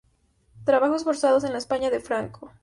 Trabajos forzados en la España de Franco".